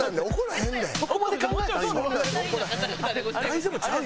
大丈夫ちゃう？